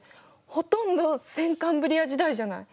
ほとんど先カンブリア時代じゃない。